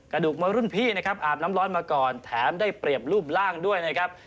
กระดูกมวยรุ่นพี่นะครับอาบน้ำร้อนมาก่อนแถมได้เปรียบรูปร่างด้วยนะครับ